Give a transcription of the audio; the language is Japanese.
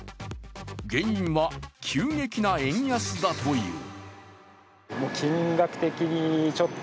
原因は急激な円安だという。